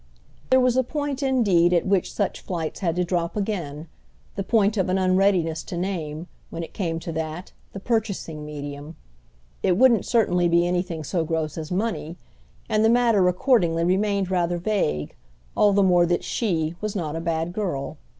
There was a point indeed at which such flights had to drop again—the point of an unreadiness to name, when it came to that, the purchasing medium. It wouldn't certainly be anything so gross as money, and the matter accordingly remained rather vague, all the more that she was not a bad girl.